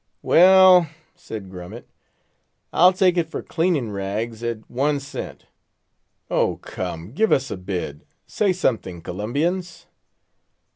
"Well," said Grummet, "I'll take it for cleaning rags at one cent." "Oh, come, give us a bid! say something, Colombians."